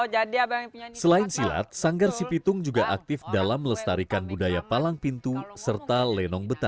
jingkrak jingkrik yang berarti lincah sesuai gerakan si monyet